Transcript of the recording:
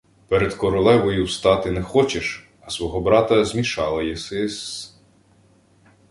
— Перед королевою встати не хочеш, а свого брата змішала єси з...